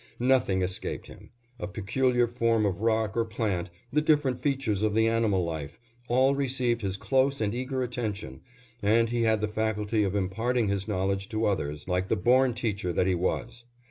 Nothing escaped him; a peculiar form of rock or plant, the different features of the animal life, all received his close and eager attention, and he had the faculty of imparting his knowledge to others, like the born teacher that he was.